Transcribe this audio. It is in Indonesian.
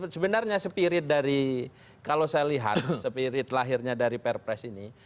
sebenarnya spirit dari kalau saya lihat spirit lahirnya dari perpres ini